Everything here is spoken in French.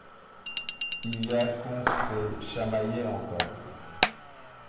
Il y a qu’on s’est chamaillé encore...